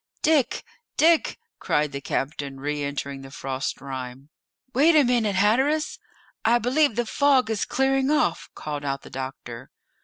"Dick! Dick!" cried the captain, re entering the frost rime. "Wait a minute, Hatteras; I believe the fog is clearing off," called out the doctor.